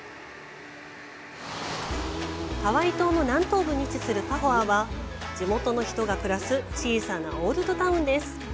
ハワイ島の南東部に位置するパホアは地元の人が暮らす小さなオールドタウンです。